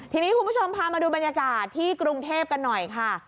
ทีนี้คุณผู้ชมพามาดูบรรยากาศที่กรุงเทพกันหน่อยค่ะ